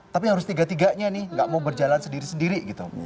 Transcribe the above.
tapi harus tiga tiganya nih gak mau berjalan sendiri sendiri gitu